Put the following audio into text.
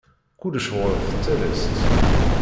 Kullec ɣur-s talast.